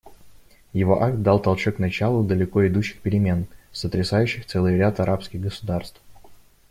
Его акт дал толчок началу далеко идущих перемен, сотрясающих целый ряд арабских государств.